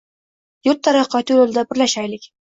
Yurt taraqqiyoti yo‘lida birlashaylik!ng